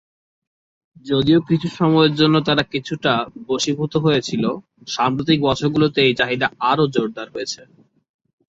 যদিও কিছু সময়ের জন্য তারা কিছুটা বশীভূত হয়েছিল, সাম্প্রতিক বছরগুলিতে এই চাহিদা আরও জোরদার হয়েছে।